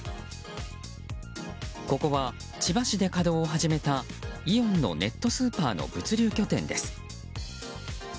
ここは千葉市で稼働を始めたイオンのネットスーパーの物流拠点です。